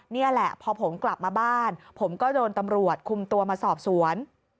นี่แหละพอผมกลับมาบ้านผมก็โดนตำรวจคุมตัวมาสอบสวน